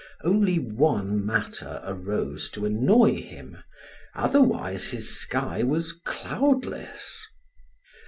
Only one matter arose to annoy him, otherwise his sky was cloudless.